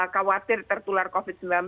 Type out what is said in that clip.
khawatir tertular covid sembilan belas